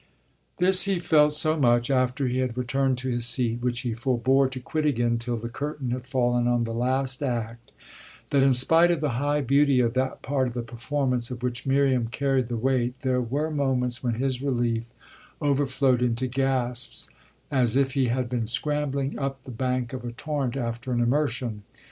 This he felt so much after he had returned to his seat, which he forbore to quit again till the curtain had fallen on the last act, that in spite of the high beauty of that part of the performance of which Miriam carried the weight there were moments when his relief overflowed into gasps, as if he had been scrambling up the bank of a torrent after an immersion.